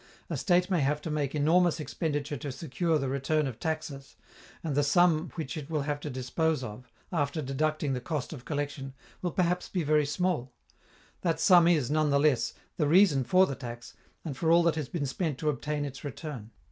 A state may have to make enormous expenditure to secure the return of taxes, and the sum which it will have to dispose of, after deducting the cost of collection, will perhaps be very small: that sum is, none the less, the reason for the tax and for all that has been spent to obtain its return.